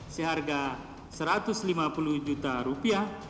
seharga satu ratus lima puluh juta rupiah